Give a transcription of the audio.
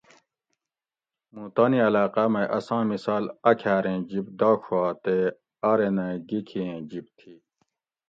موں تانی علاقاۤ مئی اساں مثال اکھاۤریں جِب داڄوا تے آرینہ گیکھی ایں جِب تھی